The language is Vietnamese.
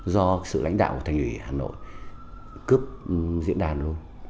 do sự lãnh đạo của thành ủy hà nội cướp diễn đàn luôn